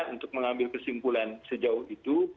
untuk mengambil kesimpulan sejauh itu